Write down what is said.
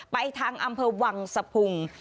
ไปทางอำเภอวังสะพุง